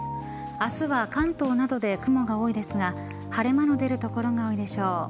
明日は関東などで雲が多いですが晴れ間の出る所が多いでしょう。